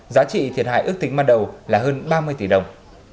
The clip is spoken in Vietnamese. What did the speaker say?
giá trị thiệt hại ước tính ban đầu là hơn ba mươi tỷ đồng